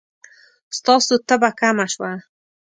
ستاسو تبه کمه شوه؟